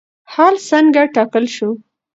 حل څنګه ټاکل شو؟